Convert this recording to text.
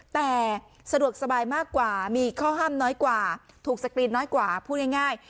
แต่สะดวกสบายมากกว่ามีข้อห้ามน้อยกว่าถูกสกรีนน้อยกว่าพูดง่าย